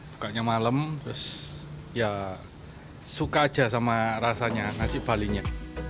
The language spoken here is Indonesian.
bukanya malam terus ya suka aja sama rasanya nasi balinya